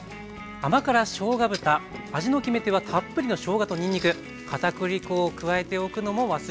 甘辛しょうが豚味の決め手はたっぷりのしょうがとにんにく片栗粉を加えておくのも忘れずに。